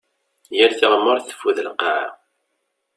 Yal tiɣmert teffud lqaɛa.